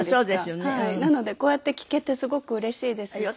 なのでこうやって聞けてすごくうれしいですし。